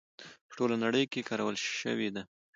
په ټوله نړۍ کې کارول شوې ده.